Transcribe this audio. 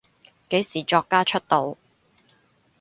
幾時作家出道？